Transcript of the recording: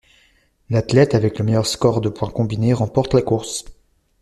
L'athlète avec le meilleur score de points combinés remporte la course.